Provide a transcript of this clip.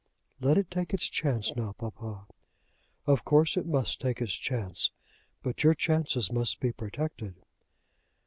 "Let it take its chance now, papa." "Of course it must take its chance; but your chances must be protected."